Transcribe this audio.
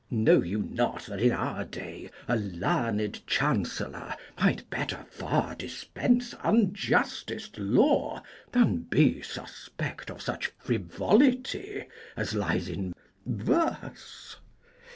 Know you not That in our day a learned chancellor Might better far dispense unjustest law Than be suspect of such frivolity As lies in verse?